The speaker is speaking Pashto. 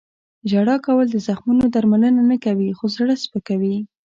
• ژړا کول د زخمونو درملنه نه کوي، خو زړه سپکوي.